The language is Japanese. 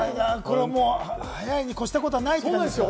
早いに越したことはないって感じですか？